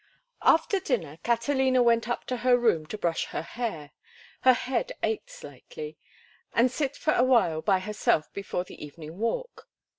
XX After dinner Catalina went up to her room to brush her hair—her head ached slightly—and sit for a while by herself before the evening walk.